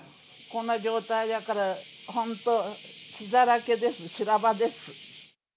こんな状態だから、本当、血だらけです、修羅場です。